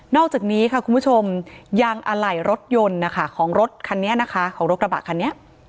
นอกจากนี้ค่ะคุณผู้ชมยางอะไหล่รถยนต์ของรถรับะคันนี้